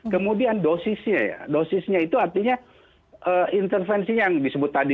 kemudian dosisnya ya dosisnya itu artinya intervensi yang disebut tadi